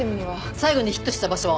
最後にヒットした場所は？